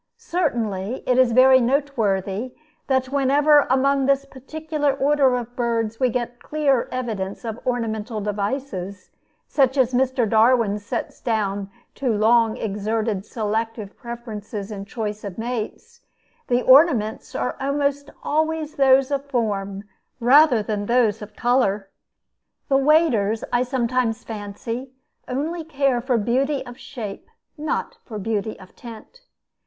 Certainly, it is very noteworthy that whenever among this particular order of birds we get clear evidence of ornamental devices, such as Mr. Darwin sets down to long exerted selective preferences in the choice of mates, the ornaments are almost always those of form rather than those of color. The waders, I sometimes fancy, only care for beauty of shape, not for beauty of tint.